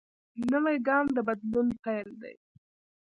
نوی ګام د بدلون پیل دی